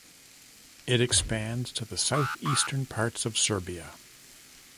It expands to the south-eastern parts of Serbia.